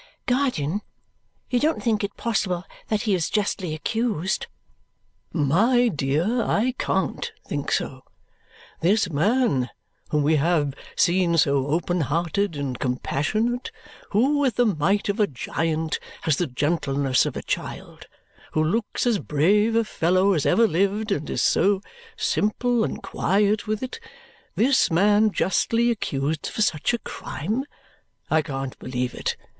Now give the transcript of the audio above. "Guardian, you don't think it possible that he is justly accused?" "My dear, I CAN'T think so. This man whom we have seen so open hearted and compassionate, who with the might of a giant has the gentleness of a child, who looks as brave a fellow as ever lived and is so simple and quiet with it, this man justly accused of such a crime? I can't believe it.